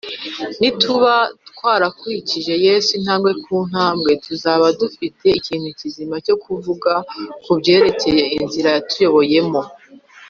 ni tuba twarakurikiye yesu intambwe ku ntambwe, tuzaba dufite ikintu kizima cyo kuvuga ku byerekeye inzira yatuyoboyemo